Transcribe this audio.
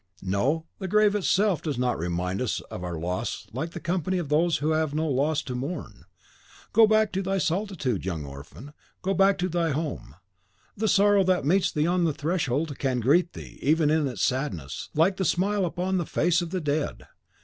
No, the grave itself does not remind us of our loss like the company of those who have no loss to mourn. Go back to thy solitude, young orphan, go back to thy home: the sorrow that meets thee on the threshold can greet thee, even in its sadness, like the smile upon the face of the dead.